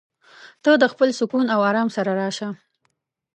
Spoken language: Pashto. ته د خپل سکون او ارام سره راشه.